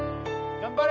・頑張れ！